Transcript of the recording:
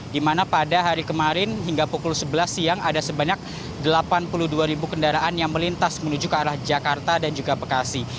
di mana pada hari kemarin hingga pukul sebelas siang ada sebanyak delapan puluh dua ribu kendaraan yang melintas menuju ke arah jakarta dan juga bekasi